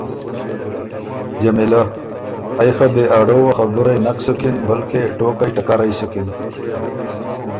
جمیلۀ: ائ خه بې اړووه خبُرئ نک سُکِن بلکې ټوقئ ټکرئ سُکِن۔